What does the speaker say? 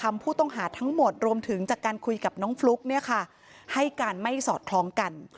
ผู้ต้องหาทั้งหมดรวมถึงจากการคุยกับน้องฟลุ๊กเนี่ยค่ะให้การไม่สอดคล้องกัน